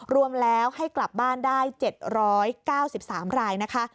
รวมแล้วให้กลับบ้านได้๗๙๓รายนะคะ